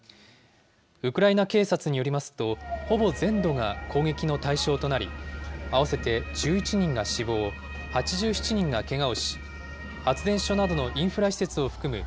ウクライナ警察によりますと、ほぼ全土が攻撃の対象となり、合わせて１１人が死亡、８７人がけがをし、発電所などのインフラ施設を含む